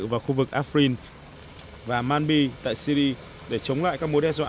vào khu vực afrin và manbi tại syri để chống lại các mối đe dọa